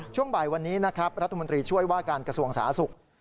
ช่วงบ่ายวันนี้นะครับรัฐมนตรีช่วยว่าการกระทรวงสาธารณสุข